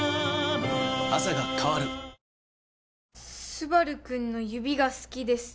スバル君の指が好きです